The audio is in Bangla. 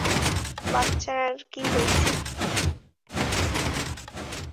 বাচ্চার কি হইছে?